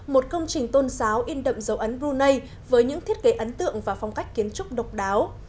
một công trình tôn giáo in đậm dấu ấn brunei với những thiết kế ấn tượng và phong cách kiến trúc độc đáo